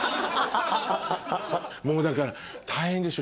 もうだから大変でしょ？